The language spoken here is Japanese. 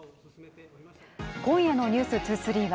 今夜の「ｎｅｗｓ２３」は